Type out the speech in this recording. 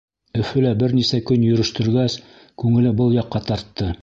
Өфөлә бер нисә көн йөрөштөргәс, күңеле был яҡҡа тартты.